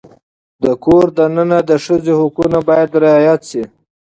د کور دننه د ښځې حقونه باید رعایت شي.